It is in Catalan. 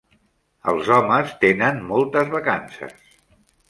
Els homes tenen moltes vacances.